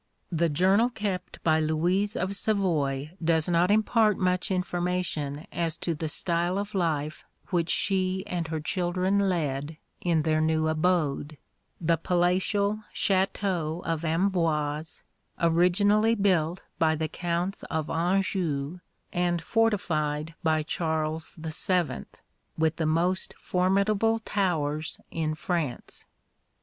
The journal kept by Louise of Savoy does not impart much information as to the style of life which she and her children led in their new abode, the palatial Château of Amboise, originally built by the Counts of Anjou, and fortified by Charles VII. with the most formidable towers in France.